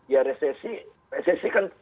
ya resesi resesi kan